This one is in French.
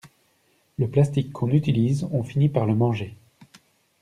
Le plastique qu'on utilise, on finit par le manger.